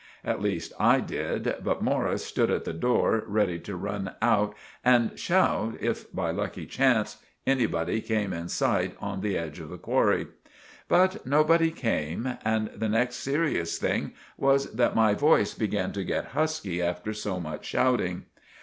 At least I did, but Morris stood at the door ready to run out and shout if by a lucky chance anybody came in sight on the edge of the qwarry. But nobody came and the next serious thing was that my voice began to get husky after so much shouting.